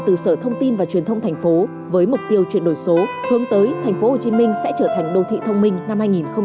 từ sở thông tin và truyền thông thành phố với mục tiêu chuyển đổi số hướng tới thành phố hồ chí minh sẽ trở thành đô thị thông minh năm hai nghìn hai mươi hai